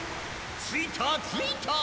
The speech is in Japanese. ・ついたついた！